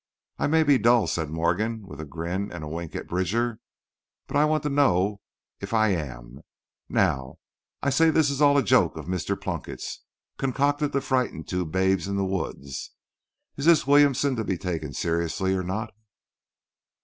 "I may be dull," said Morgan, with a grin and a wink at Bridger; "but I want to know if I am. Now, I say this is all a joke of Mr. Plunkett's, concocted to frighten two babes in the woods. Is this Williamson to be taken seriously or not?"